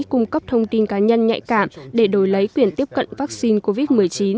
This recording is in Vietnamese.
cung cấp thông tin cá nhân nhạy cảm để đổi lấy quyền tiếp cận vaccine covid một mươi chín